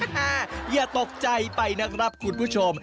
อย่าตกใจไปนะครับคุณผู้ชม